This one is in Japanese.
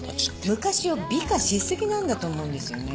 昔を美化し過ぎなんだと思うんですよね。